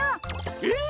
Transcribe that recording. えっ！？